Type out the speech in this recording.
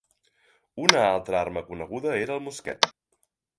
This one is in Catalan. Una altra arma coneguda era el mosquet.